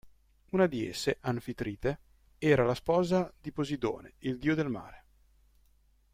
Una di esse, Anfitrite, era la sposa di Poseidone, il dio del mare.